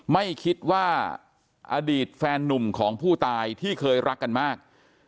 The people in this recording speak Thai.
ไม่คิดว่าอดีตแฟนนุ่มของผู้ตายที่เคยรักกันมาก